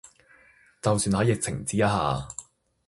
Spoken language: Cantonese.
就算係疫情之下